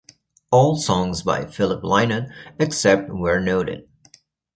All songs by Philip Lynott, except where noted.